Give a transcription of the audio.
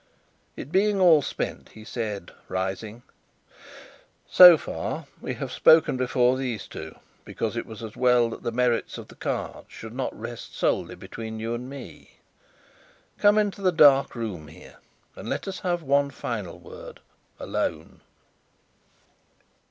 It being all spent, he said, rising: "So far, we have spoken before these two, because it was as well that the merits of the cards should not rest solely between you and me. Come into the dark room here, and let us have one final word alone."